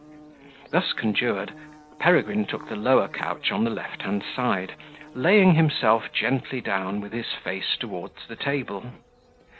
Thus conjured, Peregrine took the lower couch on the left hand side, laying himself gently down, with his face towards the table.